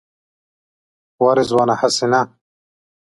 وا رضوانه هسې نه.